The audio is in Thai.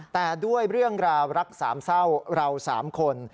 แต่ด้วยเรื่องราวรักสามเศร้าเราสามคน